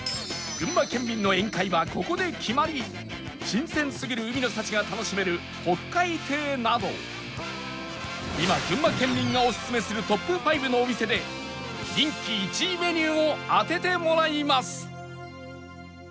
新鮮すぎる海の幸が楽しめる北海亭など今群馬県民がオススメするトップ５のお店で人気１位メニューを当ててもらいます